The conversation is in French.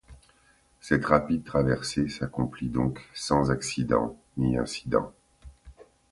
Cette rapide traversée s’accomplit donc sans accident ni incident.